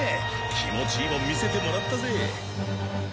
気持ちいいもん見せてもらったぜ。